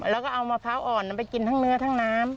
แล้วก็เอามะพร้าวอ่อนไปกินทั้งเนื้อทั้งน้ำ